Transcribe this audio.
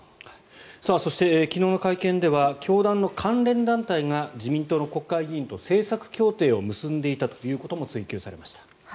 そして、昨日の会見では教団の関連団体が自民党の国会議員と政策協定を結んでいたということも追及されました。